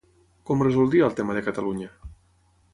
Com resoldria el tema de Catalunya?